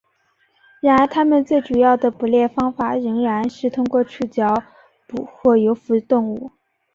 然而它们最主要的捕猎方法仍然是通过触角捕获浮游动物。